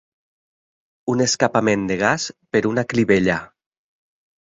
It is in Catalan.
Un escapament de gas per una clivella.